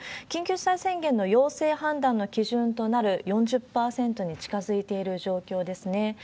緊急事態宣言の陽性判断の基準となる４０％に近づいている状況ですね。